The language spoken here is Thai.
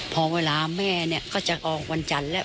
พอเวลาแม่เนี่ยก็จะออกวันจันทร์แล้ว